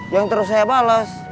yang terus saya bales